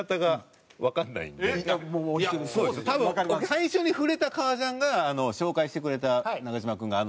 最初に触れた革ジャンが紹介してくれた長嶋君が。